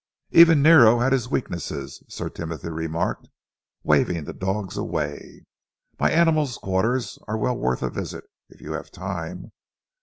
"Even Nero had his weaknesses," Sir Timothy remarked, waving the dogs away. "My animals' quarters are well worth a visit, if you have time.